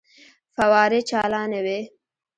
فوارې چالانې وې.